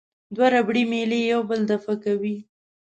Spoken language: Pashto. دوه ربړي میلې یو بل دفع کوي.